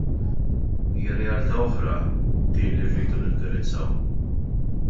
Hija realtà oħra din li rridu nindirizzaw.